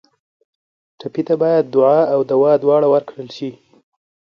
ټپي ته باید دعا او دوا دواړه ورکړل شي.